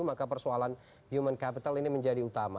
maka persoalan human capital ini menjadi utama